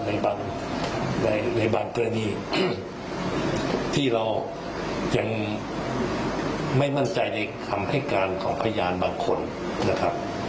ในบางกรณีที่เรายังไม่มั่นใจในคำให้การของพยานบางคนนะครับ